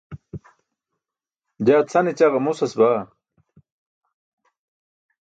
jaa cʰane ćaġa mosas baa